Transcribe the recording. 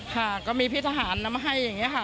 ค่ะก็มีพิทหารมาให้อย่างเงี้ยฮะ